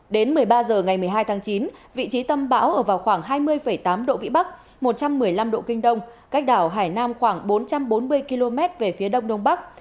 đến một mươi ba h ngày một mươi hai tháng chín vị trí tâm bão ở vào khoảng hai mươi tám độ vĩ bắc một trăm một mươi năm độ kinh đông cách đảo hải nam khoảng bốn trăm bốn mươi km về phía đông đông bắc